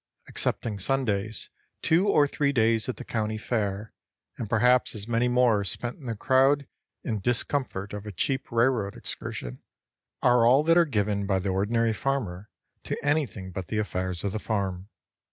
Excepting Sundays, two or three days at the county fair, and perhaps as many more spent in the crowd and discomfort of a cheap railroad excursion, are all that are given by the ordinary farmer to anything but the affairs of the farm.